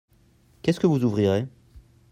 Qu'est-ce que vous ouvrirez ?